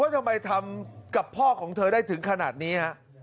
ทำไมทำกับพ่อของเธอได้ถึงขนาดนี้ฮะ